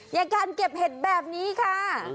อย่างการเก็บเห็ดแบบนี้ค่ะ